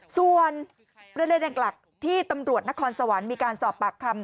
ส่วนประเด็นหลักที่ตำรวจนครสวรรค์มีการสอบปากคำ